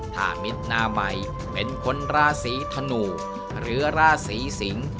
ถ้ามิตรหน้าใหม่เป็นคนราศีธนูหรือราศีสิงศ์